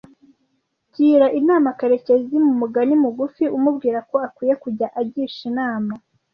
Gira inama Karekezi mu mugani mugufi umubwira ko akwiye kujya agisha inama